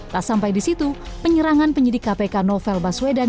tak sampai di situ penyerangan penyidik kpk novel baswedan